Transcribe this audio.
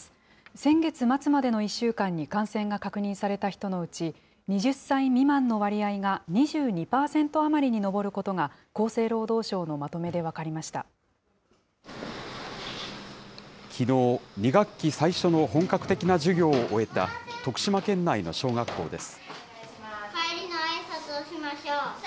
先月末までの１週間に感染が確認された人のうち、２０歳未満の割合が２２％余りに上ることが、厚生労働省のまとめきのう、２学期最初の本格的な授業を終えた徳島県内の小学校です。